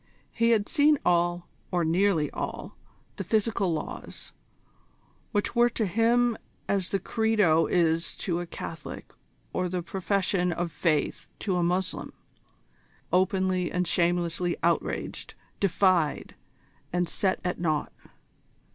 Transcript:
He had seen all, or nearly all, the physical laws, which were to him as the Credo is to a Catholic or the Profession of Faith to a Moslem, openly and shamelessly outraged, defied, and set at nought.